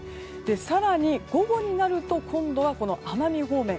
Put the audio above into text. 更に午後になると今度は奄美方面。